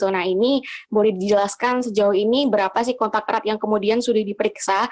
nah ini boleh dijelaskan sejauh ini berapa sih kontak erat yang kemudian sudah diperiksa